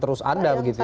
terus ada gitu ya